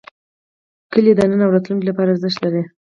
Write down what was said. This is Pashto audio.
کلي د نن او راتلونکي لپاره ارزښت لري.